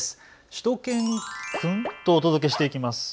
しゅと犬くんとお届けしていきます。